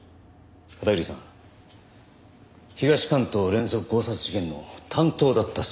片桐さん東関東連続強殺事件の担当だったそうですね。